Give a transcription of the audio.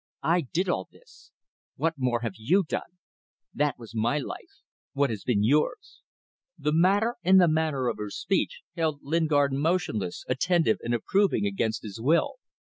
I did all this. What more have you done? That was my life. What has been yours?" The matter and the manner of her speech held Lingard motionless, attentive and approving against his will.